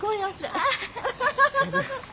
アハハハ。